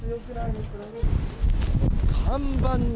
看板に。